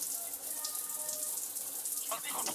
پاڼه د ونې په لوړه څانګه کې ښکارېده.